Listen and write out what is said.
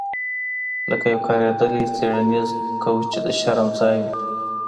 لکه یو کاریدلی څیړنیز کوچ چې د شرم ځای وي